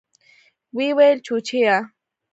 ويې ويل چوچيه.